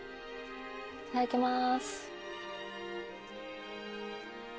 いただきます。